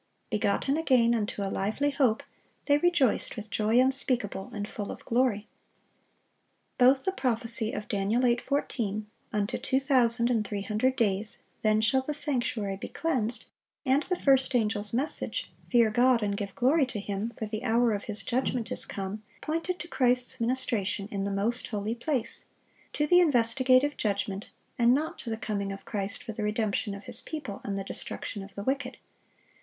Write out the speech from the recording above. "Begotten again unto a lively hope," they rejoiced "with joy unspeakable and full of glory." Both the prophecy of Dan. 8:14, "Unto two thousand and three hundred days; then shall the sanctuary be cleansed," and the first angel's message, "Fear God, and give glory to Him; for the hour of His judgment is come," pointed to Christ's ministration in the most holy place, to the investigative judgment, and not to the coming of Christ for the redemption of His people and the destruction of the wicked.